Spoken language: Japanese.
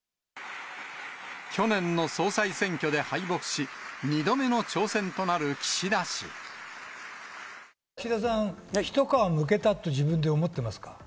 去年の総裁選挙で敗北し、岸田さん、一皮むけたって自分で思ってますか？